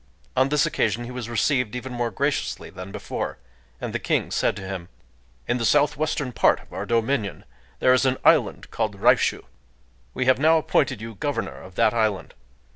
On this occasion he was received even more graciously than before; and the King said to him:— "In the southwestern part of Our dominion there is an island called Raishū. We have now appointed you Governor of that island.